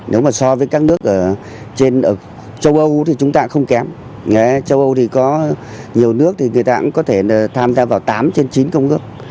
nếu mà so với các nước ở trên châu âu thì chúng ta cũng không kém châu âu thì có nhiều nước thì người ta cũng có thể tham gia vào tám trên chín công ước